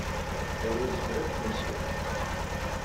Aya yezmer ad kem-yessewhem.